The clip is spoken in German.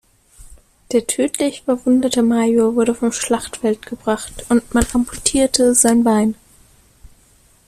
Der tödlich verwundete Major wurde vom Schlachtfeld gebracht, und man amputierte sein Bein.